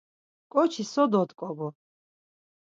Ǩoçi so dot̆ǩobu?